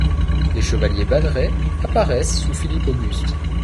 Les chevaliers bannerets apparaissent sous Philippe Auguste.